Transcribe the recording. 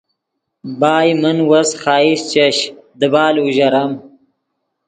بائے من وس خواہش چش دیبال اوژرم